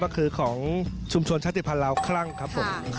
ก็คือของชุมชนชาติภัณฑ์ลาวคลั่งครับผม